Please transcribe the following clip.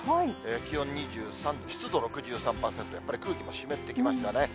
気温２３度、湿度６３％、やっぱり空気も湿ってきましたね。